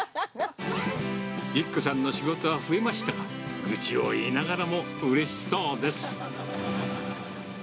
由希子さんの仕事は増えましたが、愚痴を言いながらも、うれしそうです。